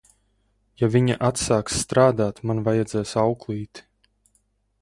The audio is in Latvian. Ja viņa atsāks strādāt, man vajadzēs auklīti!